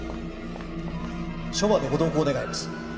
署までご同行願います。